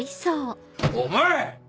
お前！